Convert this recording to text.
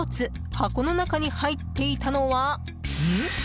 箱の中に入っていたのはん？